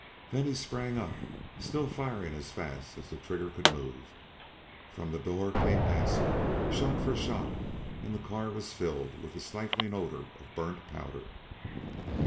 Then he sprang up, still firing as fast as the trigger could move. From the door came answer, shot for shot, and the car was filled with the stifling odor of burnt powder.